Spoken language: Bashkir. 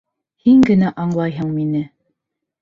Һин генә аңлайһың мине!